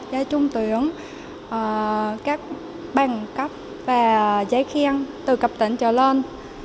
giấy trung tuyển các bàn cấp và giấy khiên từ cấp tỉnh trở lên